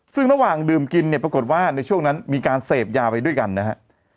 ซึ่งระหว่างดื่มกินเนี่ยปรากฏว่าในช่วงนั้นมีการเสพยาไปด้วยกันนะฮะ